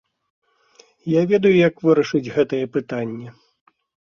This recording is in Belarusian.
Я ведаю як вырашыць гэтае пытанне!